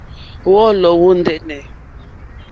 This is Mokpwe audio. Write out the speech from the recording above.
Wɔ̌lɔ̀ wɔ̀ ndɛ́nɛ̀.